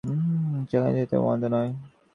রমেশ চারি দিকে তাকাইয়া কহিল, কেন, জায়গাটি তো মন্দ নয়।